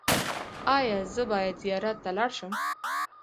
ایا زه باید زیارت ته لاړ شم؟